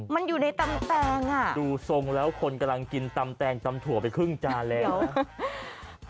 มันอยู่ในตำแตงอ่ะดูทรงแล้วคนกำลังกินตำแตงตำถั่วไปครึ่งจานแล้ว